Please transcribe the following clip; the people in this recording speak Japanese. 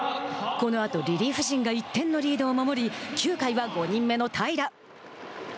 このあとリリーフ陣が１点のリードを守り９回は５人目の平良。